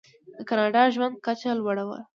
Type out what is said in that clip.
د کاناډا ژوند کچه لوړه ده.